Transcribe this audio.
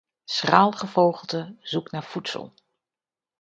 Schraal gevogelte zoekt naar voedsel.